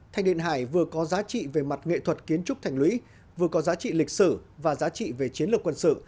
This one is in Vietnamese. thanh niên hải vừa có giá trị về mặt nghệ thuật kiến trúc thành lũy vừa có giá trị lịch sử và giá trị về chiến lược quân sự